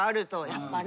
やっぱね。